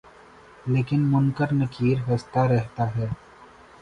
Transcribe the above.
لیکن منکر نکیر ہستہ رہتا ہے